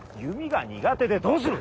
弓が苦手でどうする。